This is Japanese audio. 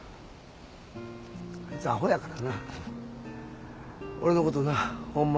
あいつアホやからな。俺のことなホンマ